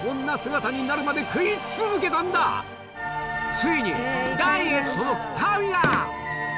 ついにダイエットの神が！